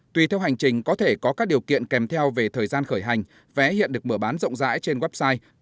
tùy theo hành trình có thể có các điều kiện kèm theo về thời gian khởi hành vé hiện được mở bán rộng rãi trên website